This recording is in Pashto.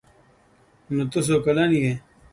_نوته څو کلن يې؟